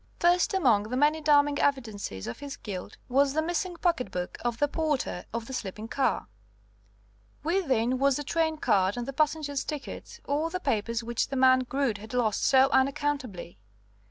First among the many damning evidences of his guilt was the missing pocketbook of the porter of the sleeping car. Within was the train card and the passengers' tickets, all the papers which the man Groote had lost so unaccountably.